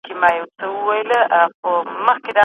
د ژوند سطحو توپیر د انفرادي رفتار په جوړښت کي اغیز لري.